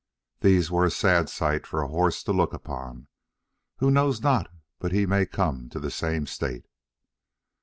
These were sad sights for a horse to look upon, who knows not but he may come to the same state.